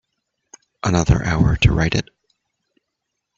Another hour to write it.